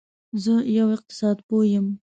زه یو اقتصاد پوه یم